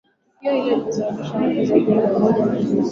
tukio lililo sababisha watu zaidi ya mia moja na hamsini